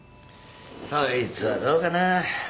そいつはどうかなぁ。